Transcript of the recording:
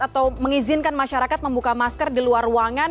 atau mengizinkan masyarakat membuka masker di luar ruangan